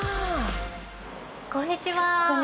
こんにちは。